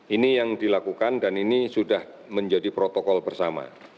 ini yang dilakukan dan ini sudah menjadi protokol bersama